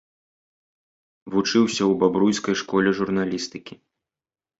Вучыўся ў бабруйскай школе журналістыкі.